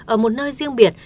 ở một nơi riêng biệt